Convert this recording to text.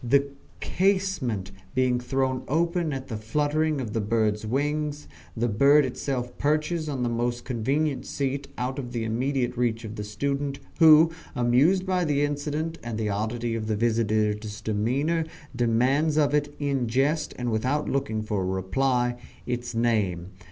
The casement being thrown open at the fluttering of the bird's wings, the bird itself perches on the most convenient seat out of the immediate reach of the student, who amused by the incident and the oddity of the visitor's demeanour, demands of it, in jest and without looking for a reply, its name.